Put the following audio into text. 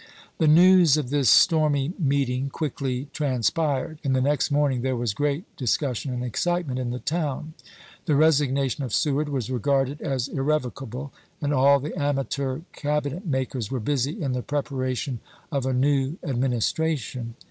The news of this stormy meeting quickly trans pired, and the next morning there was great discus sion and excitement in the town. The resignation of Seward was regarded as irrevocable, and all the amateur Cabinet makers were busy in the prepara tion of a new Administration.